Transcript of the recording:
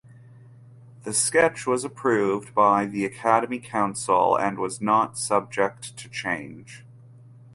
The sketch was approved by the Academy Council and was not subject to change.